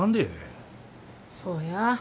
そうや。